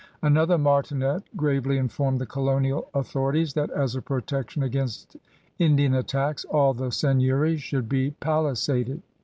Another martinet gravely informed the colonial authorities that, as a protection against Indian attacks ^'all the seign euries should be palisaded.''